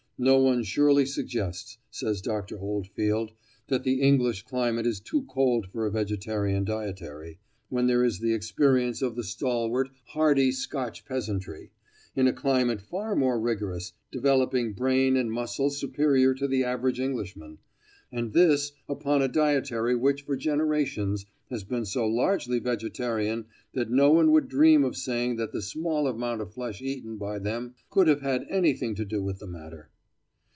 "No one surely suggests," says Dr. Oldfield, "that the English climate is too cold for a vegetarian dietary, when there is the experience of the stalwart, hardy Scotch peasantry, in a climate far more rigorous, developing brain and muscle superior to the average Englishman, and this upon a dietary which for generations has been so largely vegetarian that no one would dream of saying that the small amount of flesh eaten by them could have had anything to do with the matter."